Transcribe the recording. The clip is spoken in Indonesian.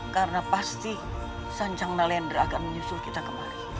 karena pasti sanjang nelendra akan menyusul kita kemari